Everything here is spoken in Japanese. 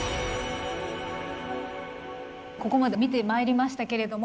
ここまで見てまいりましたけれども